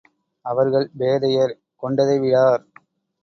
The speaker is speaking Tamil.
அவர்கள் பேதையர் கொண்டதை விடார்!